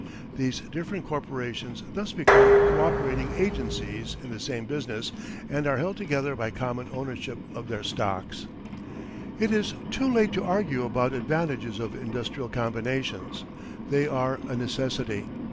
These different corporations thus become coöperating agencies in the same business and are held together by common ownership of their stocks. It is too late to argue about advantages of industrial combinations. They are a necessity.